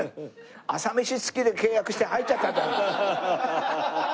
朝飯付きで契約して入っちゃったんだ。